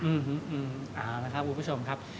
เอานะคะผู้ผู้ชมครับ